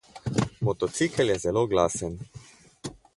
Motocikel je zelo glasen.